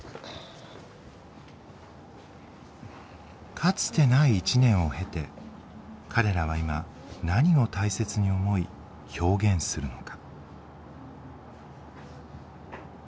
かつてない１年を経て彼らは今何を大切に思い表現するのか。